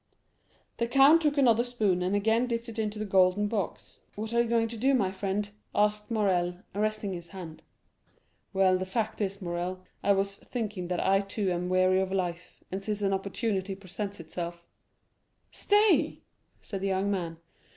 The count took another spoon, and again dipped it into the golden box. "What are you going to do, my friend?" asked Morrel, arresting his hand. "Well, the fact is, Morrel, I was thinking that I too am weary of life, and since an opportunity presents itself——" "Stay!" said the young man.